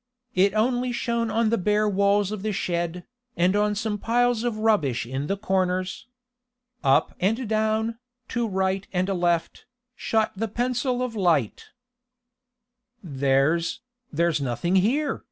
It only shone on the bare walls of the shed, and on some piles of rubbish in the corners. Up and down, to right and left, shot the pencil of light. "There's there's nothing here!"